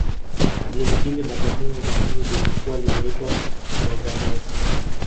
Jina hili la bagamoyo zamani lilikuwa linaitwa Bwagamoyo